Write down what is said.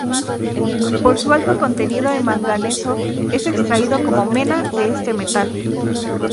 Por su alto contenido en manganeso es extraído como mena de este metal.